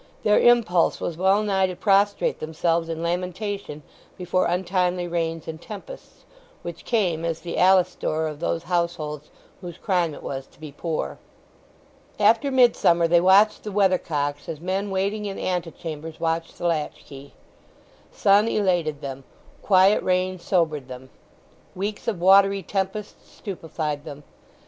Their impulse was well nigh to prostrate themselves in lamentation before untimely rains and tempests, which came as the Alastor of those households whose crime it was to be poor. After midsummer they watched the weather cocks as men waiting in antechambers watch the lackey. Sun elated them; quiet rain sobered them; weeks of watery tempest stupefied them.